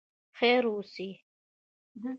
خیر اوسې.